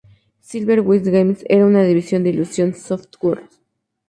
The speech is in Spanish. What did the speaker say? Silver Wish Games era una división de Illusion Softworks.